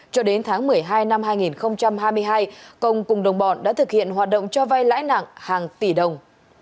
cho đến tháng một mươi hai năm hai nghìn hai mươi hai công cùng đồng bọn đã thực hiện hoạt động cho vay lãi nặng hàng tỷ đồng